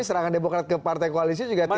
serangan demokrat ke partai koalisi juga tidak